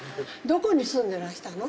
どこに住んでらしたの？